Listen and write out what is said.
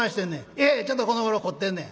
「いやちょっとこのごろ凝ってんねん」。